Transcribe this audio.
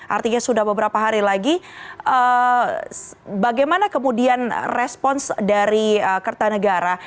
artinya sudah beberapa hari lagi bagaimana kemudian respons dari kertanegara